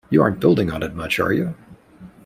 You aren't building on it much, are you?